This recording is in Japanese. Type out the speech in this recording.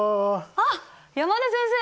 あっ山根先生！